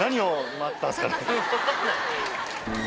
分かんない。